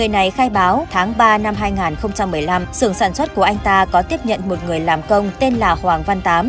sai báo tháng ba năm hai nghìn một mươi năm xưởng sản xuất của anh ta có tiếp nhận một người làm công tên là hoàng văn tám